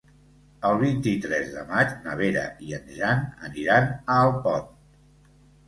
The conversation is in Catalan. El vint-i-tres de maig na Vera i en Jan aniran a Alpont.